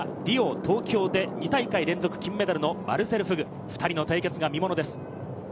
１００２番はリオ、東京で２大会連続金メダルのマルセル・フグ、２人の対決が見ものです。